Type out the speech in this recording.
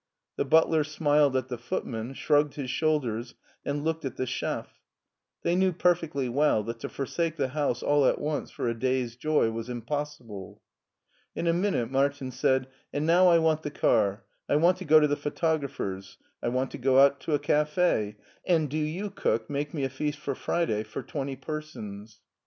The butler smiled at the footman, shrugged his shoulders, and looked at the chef. They knew per fectly well that to forsake the house all at once for a da/s joy was impossible. In a minute Martin said : "And now I want the car; I want to go to the photographer's ; I want to go out to a cafe ; and do you, cook, make me a feast for Friday for twenty per sons."